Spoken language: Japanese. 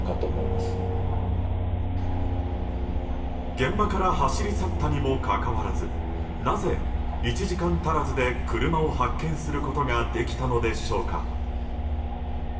現場から走り去ったにもかかわらずなぜ１時間足らずで車を発見することができたのでしょうか。